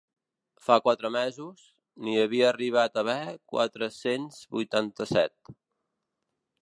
Fa quatre mesos, n’hi havia arribat a haver quatre-cents vuitanta-set.